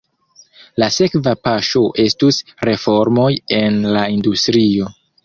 La sekva paŝo estus reformoj en la industrio.